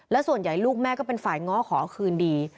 และส่วนใหญ่ลูกแม่ก็เป็นฝ่ายง้อขอคืนดี